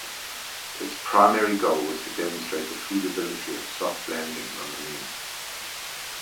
Its primary goal was to demonstrate the feasibility of soft landings on the Moon.